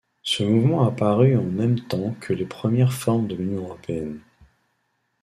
Ce mouvement apparut en même temps que les premières formes de l'Union Européenne.